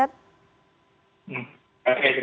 oke terima kasih